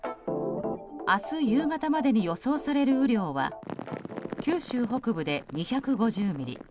明日夕方までに予想される雨量は九州北部で２５０ミリ